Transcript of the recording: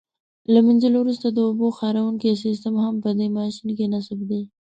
له منځلو وروسته د اوبو خاروونکی سیسټم هم په دې ماشین کې نصب دی.